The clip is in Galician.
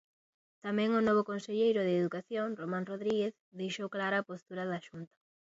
Tamén o novo conselleiro de Educación, Román Rodríguez, deixou clara a postura da Xunta.